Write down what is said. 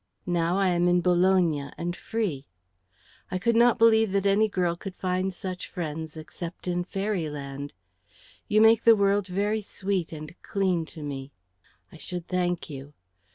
Now I am in Bologna, and free. I could not believe that any girl could find such friends except in fairyland. You make the world very sweet and clean to me. I should thank you.